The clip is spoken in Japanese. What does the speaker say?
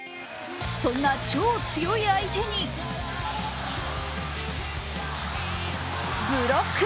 そんな超強い相手にブロック！